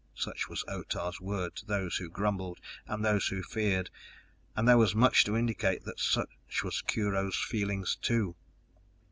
Such was Otah's word to those who grumbled and those who feared, and there was much to indicate that such was Kurho's feeling too.